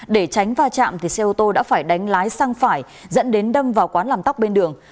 để tránh va chạm xe ô tô đã phải đánh lái sang phải dẫn đến đâm vào quán làm tóc bên đường